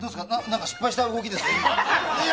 何か失敗した動きですけど。